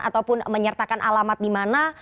ataupun menyertakan alamat di mana